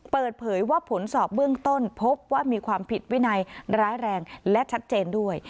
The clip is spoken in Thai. เปิดเผยว่าผลสอบเบื้องต้นพบว่ามีความผิดวินัยร้ายแรงและชัดเจนด้วย